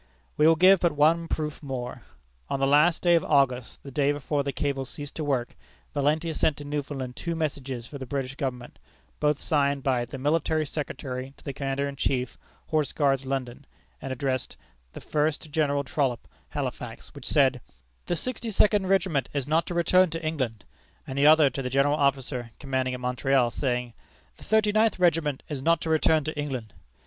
We will give but one proof more. On the last day of August, the day before the cable ceased to work, Valentia sent to Newfoundland two messages for the British Government, both signed by "the Military Secretary to the Commander in Chief, Horse Guards, London," and addressed the first to General Trollope, Halifax, which said, "The Sixty second regiment is not to return to England;" and the other to the General Officer commanding at Montreal, saying: "The Thirty ninth regiment is not to return to England."